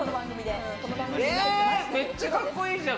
めっちゃカッコいいじゃん！